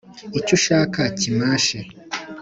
icyo ushaka kimashe